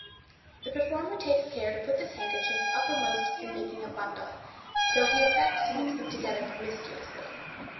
The performer takes care to put this handkerchief uppermost in making up a bundle, though he affect to mix them together promiscuously.